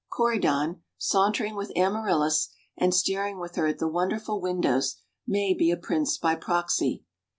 Corydon, sauntering with Amaryllis, and staring with her at the wonderful windows, may be a prince by proxy.